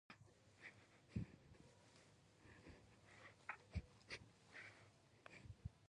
خلافت به د اسلامي شریعت په بنسټ د ټولنې عدل او انصاف تضمین کړي.